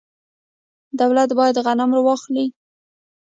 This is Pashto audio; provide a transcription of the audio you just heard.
دولت باید غنم واخلي.